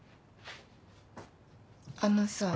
あのさ。